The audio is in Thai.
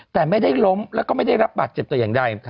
แต่ไม่ได้ล้มแล้วก็ไม่ได้รับบาดเจ็บแต่อย่างใด